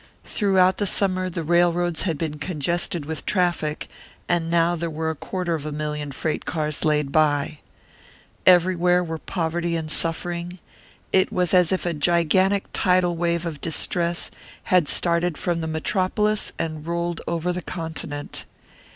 Throughout the summer the railroads had been congested with traffic, and now there were a quarter of a million freight cars laid by. Everywhere were poverty and suffering; it was as if a gigantic tidal wave of distress had started from the Metropolis and rolled over the continent.